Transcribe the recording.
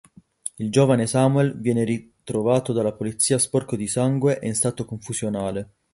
Il giovane Samuel viene ritrovato dalla polizia sporco di sangue e in stato confusionale.